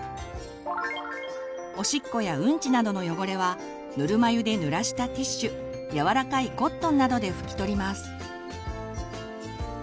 おしっこやうんちなどの汚れはぬるま湯で濡らしたティッシュ柔らかいコットンなどで拭き取ります。